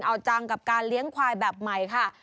เอาจังกับการเลี้ยงควายแบบใหม่ค่ะ